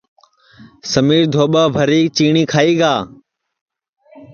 سمِیر دھوٻا بھری چیٹی کھائی گا